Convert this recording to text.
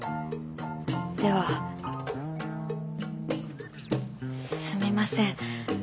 ではすみません